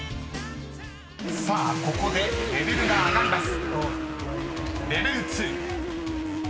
［さあここでレベルが上がります］